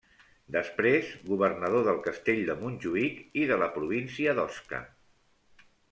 Després governador del castell de Montjuïc i de la província d'Osca.